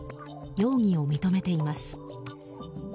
容疑を認めています。